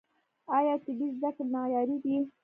آیا طبي زده کړې معیاري دي؟